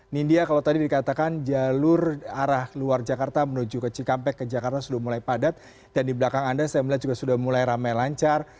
nindya kalau tadi dikatakan jalur arah luar jakarta menuju ke cikampek ke jakarta sudah mulai padat dan di belakang anda saya melihat juga sudah mulai ramai lancar